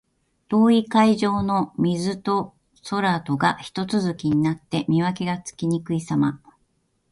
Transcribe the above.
遠い海上の水と空とがひと続きになって、見分けがつきにくいさま。